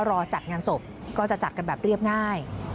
รอจัดงานศพก็จะจัดกันแบบเรียบง่าย